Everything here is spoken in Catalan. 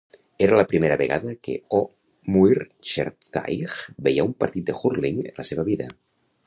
Era la primera vegada que Ó Muircheartaigh veia un partit de hurling en la seva vida.